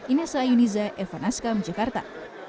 inessa yuniza evanaskam jakarta